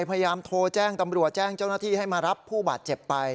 พยายามโทรแจ้งตำรวจแจ้งเจ้าหน้าที่ให้มารับผู้บาดเจ็บไป